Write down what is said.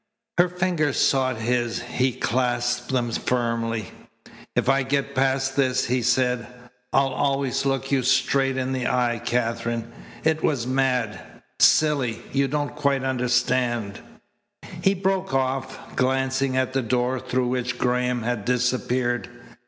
Her fingers sought his. He clasped them firmly. "If I get past this," he said, "I'll always look you straight in the eye, Katherine. It was mad silly. You don't quite understand " He broke off, glancing at the door through which Graham had disappeared.